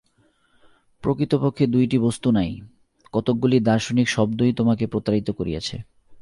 প্রকৃতপক্ষে দুইটি বস্তু নাই, কতকগুলি দার্শনিক শব্দই তোমাকে প্রতারিত করিয়াছে।